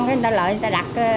người ta lợi người ta đặt